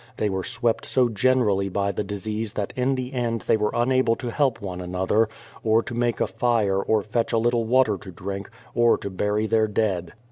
They were swept so generally by the disease that in the end they were unable to help one another, or to make a fire or fetch a little water to drink, or to bury their dead.